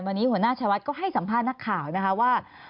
วันนี้หัวหน้าชวัดก็ให้สัมภาษณ์นักข่าวนะคะว่า